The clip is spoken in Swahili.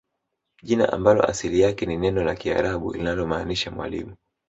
Jina ambalo asili yake ni neno la kiarabu linalomaanisha mwalimu